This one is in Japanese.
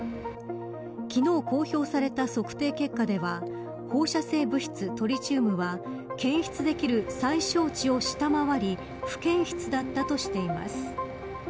昨日、公表された測定結果では放射性物質トリチウムは検出できる最小値を下回り不検出だったとしています。